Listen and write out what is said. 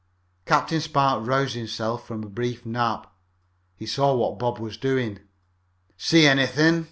Captain Spark roused himself from a brief nap. He saw what Bob was doing. "See anything?"